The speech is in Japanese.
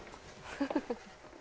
フフフ。